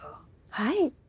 はい。